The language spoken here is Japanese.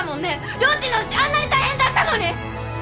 りょーちんのうちあんなに大変だったのに！